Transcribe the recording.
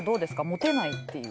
モテないっていう。